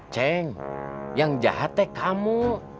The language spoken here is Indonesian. ceng yang jahatnya kamu